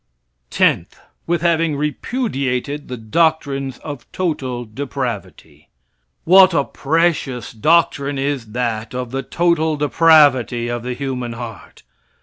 Tenth. With having repudiated the doctrines of total depravity. What a precious doctrine is that of the total depravity of the human heart!